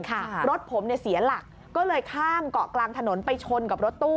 รถผมเนี่ยเสียหลักก็เลยข้ามเกาะกลางถนนไปชนกับรถตู้